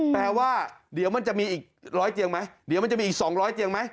แปลว่าเดี๋ยวมันจะมีอีก๑๐๐เตียงไหมเดี๋ยวมันจะมีอีก๒๐๐เตียงไหม